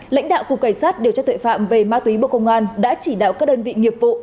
lãnh đạo cục cảnh sát điều tra tuệ phạm về ma túy bộ công an đã chỉ đạo các đơn vị nghiệp vụ